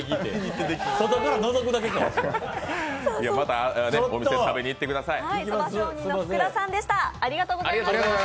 またお店に食べに行ってください。